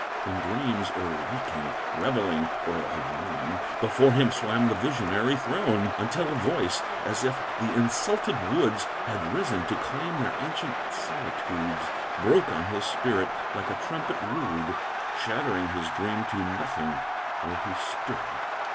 In dreams, or waking, revelling or alone, Before him swam the visionary throne; Until a voice, as if the insulted woods Had risen to claim their ancient solitudes, Broke on his spirit, like a trumpet rude, Shattering his dream to nothing where he stood!